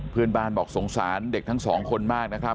เพื่อนบ้านบอกสงสารเด็กทั้งสองคนมากนะครับ